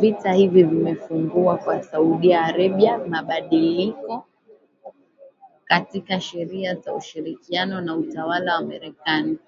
Vita hivi vimefungua kwa Saudi Arabia mabadiliko katika sheria za ushirikiano na utawala wa Marekani.